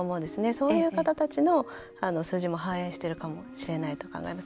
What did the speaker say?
そういう方たちの数字も反映しているかもしれないと考えます。